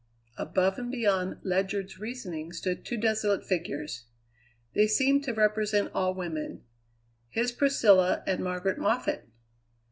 Above and beyond Ledyard's reasoning stood two desolate figures. They seemed to represent all women: his Priscilla and Margaret Moffatt!